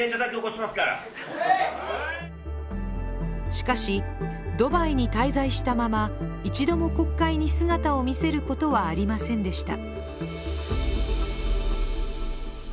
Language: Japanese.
しかし、ドバイに滞在したまま、一度も国会に姿を見せることはありませんでした。